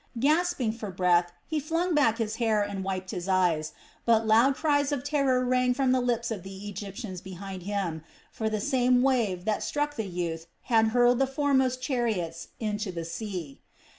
Gasping for breath, he flung back his hair and wiped his eyes; but loud cries of terror rang from the lips of the Egyptians behind him; for the same wave that struck the youth had hurled the foremost chariots into the sea.